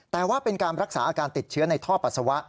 แต่ว่าเป็นการรักษาอาการติดเชื้อในท่อปัสสาวะ